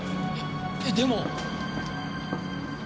えっでも。